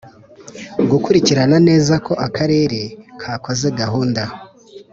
Gukurikirana neza ko Akarere kakoze gahunda